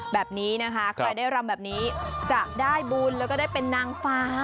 แบบนี้นะคะใครได้รำแบบนี้จะได้บุญแล้วก็ได้เป็นนางฟ้า